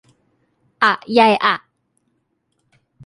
อะไยอ่ะ